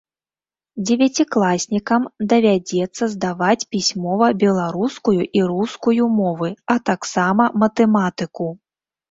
Дзевяцікласнікам давядзецца здаваць пісьмова беларускую і рускую мовы, а таксама матэматыку.